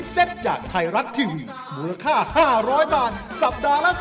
สวัสดีครับ